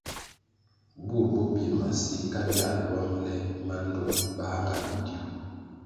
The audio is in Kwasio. Bur bo bir masi, ka bia lwang le mandtoh bā nga bidiu.